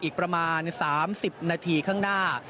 อีกประมาณ๓๐นาทีข้างหน้า